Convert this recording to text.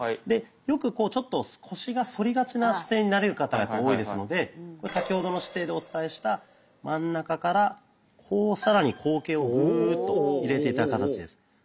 でよくこうちょっと腰が反りがちな姿勢になる方が多いですので先ほどの姿勢でお伝えした真ん中からこう更に後傾をグッと入れて頂く形です。